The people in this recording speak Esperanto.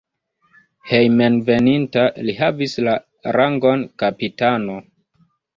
Hejmenveninta li havis la rangon kapitano.